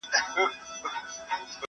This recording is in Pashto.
له کم اصلو ګلو ډک دي په وطن کي شنه باغونه،